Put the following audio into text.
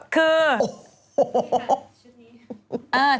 ก็โอ้โฮ